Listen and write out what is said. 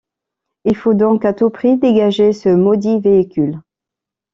Il faut donc à tout prix dégager ce maudit véhicule.